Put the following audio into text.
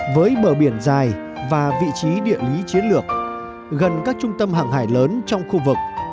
với bờ biển dài và vị trí địa lý chiến lược gần các trung tâm hàng hải lớn trong khu vực